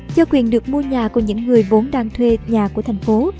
cho quyền được mua nhà của những người vốn đang thuê nhà của thành phố